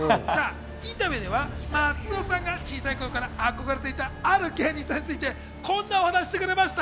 インタビューでは松尾さんが小さい頃から憧れていたある芸人さんについてこんなお話をしてくれました。